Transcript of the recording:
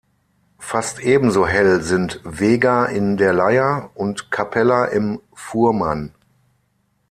Fast ebenso hell sind Wega in der Leier und Capella im Fuhrmann.